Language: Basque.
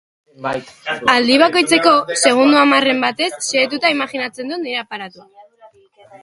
Aldi bakoitzeko, segundo hamarren batez, xehatuta imajinatzen dut nire aparatua.